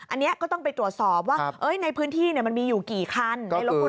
อันนี้ก็ต้องไปตรวจสอบว่าในพื้นที่มันมีอยู่กี่คัน